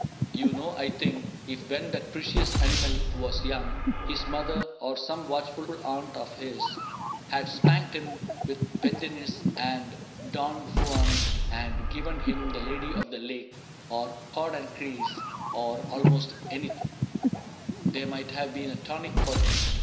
You know I think If when that precious animal was young. His mother, or some watchful aunt of his. CAPTAIN CRAIG 25 Had spanked him with Pendetinis and Don "Juan^ And given him the Lady of the Lake^ Or Cord and Creese^ or almost anything, There might have been a tonic for him